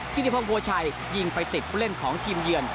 ธิติพงศ์บัวชัยยิงไปติดผู้เล่นของทีมเยือน